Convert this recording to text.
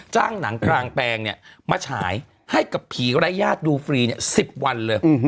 หนังกลางแปลงมาฉายให้กับผีไร้ญาติดูฟรี๑๐วันเลย